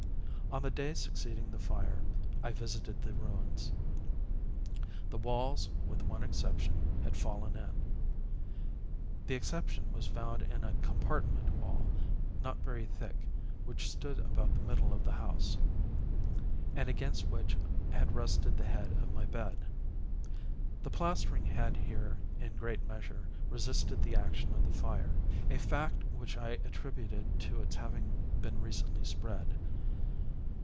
On the day succeeding the fire, I visited the ruins. The walls, with one exception, had fallen in. This exception was found in a compartment wall, not very thick, which stood about the middle of the house, and against which had rested the head of my bed. The plastering had here, in great measure, resisted the action of the fire—a fact which I attributed to its having been recently spread.